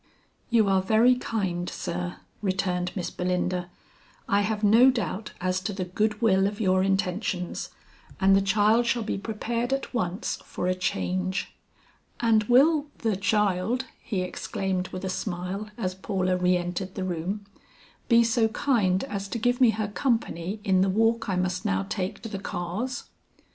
"You are very kind, sir," returned Miss Belinda. "I have no doubt as to the good will of your intentions, and the child shall be prepared at once for a change." "And will the child," he exclaimed with a smile as Paula re entered the room, "be so kind as to give me her company in the walk I must now take to the cars?"